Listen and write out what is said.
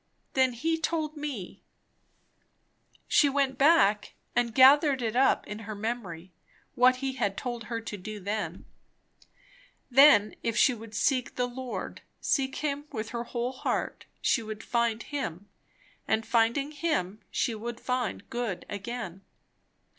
Then he told me She went back and gathered it up in her memory, what he had told her to do then. Then if she would seek the Lord, seek him with her whole heart, she would find him; and finding him, she would find good again.